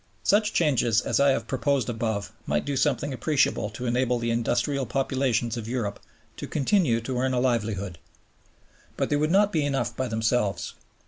Such changes as I have proposed above might do something appreciable to enable the industrial populations of Europe to continue to earn a livelihood. But they would not be enough by themselves.